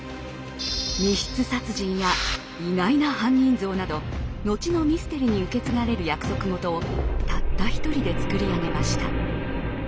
密室殺人や意外な犯人像など後のミステリに受け継がれる約束事をたった一人で創り上げました。